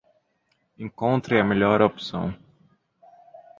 Encontre a melhor opção